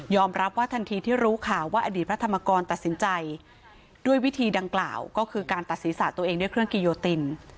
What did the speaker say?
รับว่าทันทีที่รู้ข่าวว่าอดีตพระธรรมกรตัดสินใจด้วยวิธีดังกล่าวก็คือการตัดศีรษะตัวเองด้วยเครื่องกิโยติน